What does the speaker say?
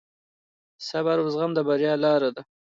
صبر او زغم د بریا لار ده.